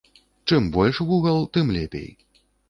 Чым больш вугал, тым лепей.